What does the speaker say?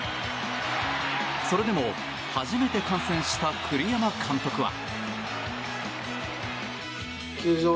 それでも初めて観戦した栗山監督は。